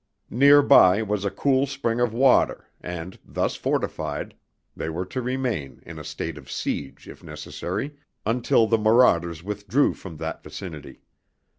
Nearby was a cool spring of water, and, thus fortified, they were to remain, in a state of siege, if necessary, until the marauders withdrew from that vicinity.